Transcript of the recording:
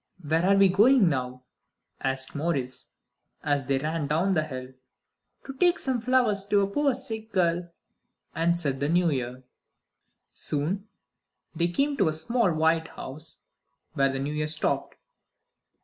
"Where am we going now?" asked Maurice, as they ran down the hill. "To take some flowers to a poor sick girl," answered the New Year. Soon they came to a small white house, where the New Year stopped.